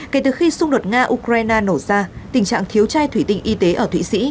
kể từ khi xung đột nga ukraine nổ ra tình trạng thiếu chai thủy tinh y tế ở thụy sĩ